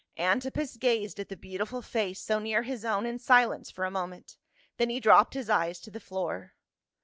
Antipas gazed at the beautiful face so near his own in silence for a moment, then he dropped his eyes to the floor.